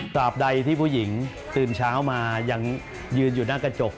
บใดที่ผู้หญิงตื่นเช้ามายังยืนอยู่หน้ากระจก